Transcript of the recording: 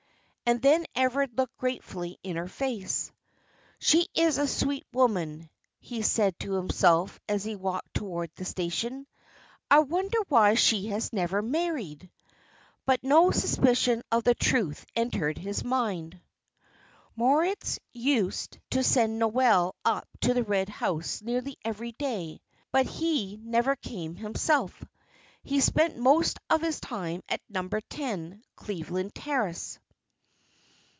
And then Everard looked gratefully in her face. "She is a sweet woman," he said to himself, as he walked towards the station. "I wonder why she has never married?" But no suspicion of the truth entered his mind. Moritz used to send Noel up to the Red House nearly every day. But he never came himself. He spent most of his time at Number Ten, Cleveland Terrace.